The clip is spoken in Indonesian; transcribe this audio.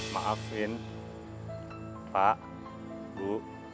maafin pak bu